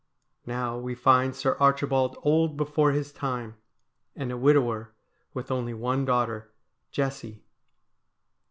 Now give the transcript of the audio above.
Now we find Sir Archibald old before his time, and a widower with only one daughter, Jessie.